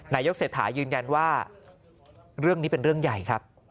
นายกเศรษฐายืนยันว่าเรื่องนี้เป็นเรื่องใหญ่ครับ